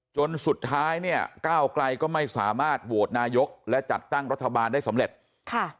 จนสุดท้ายเนี่ยก้าวไกลก็ไม่สามารถโหวตนายกและจัดตั้งรัฐบาลได้สำเร็จค่ะ